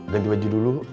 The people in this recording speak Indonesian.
ganti baju dulu